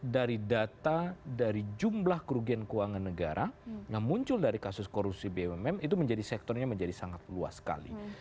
dari data dari jumlah kerugian keuangan negara yang muncul dari kasus korupsi bumn itu menjadi sektornya menjadi sangat luas sekali